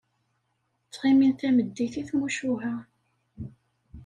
Ttɣimin tameddit i tmucuha.